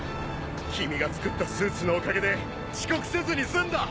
君が作ったスーツのおかげで遅刻せずに済んだ。